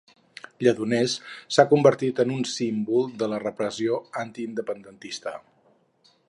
Lledoners s'ha convertit en un símbol de la repressió antiindependentista.